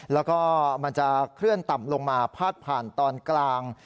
แล้วก็มันจะเคลื่อนต่ำลงมาพาดผ่านตอนกลาง